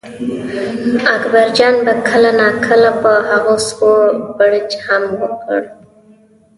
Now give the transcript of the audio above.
اکبرجان به کله ناکله په هغو سپو بړچ هم وکړ.